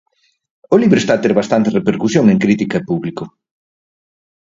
O libro está a ter bastante repercusión en crítica e público.